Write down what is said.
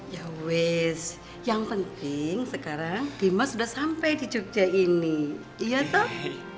yowes yang penting sekarang dimas udah sampai di jogja ini iya toh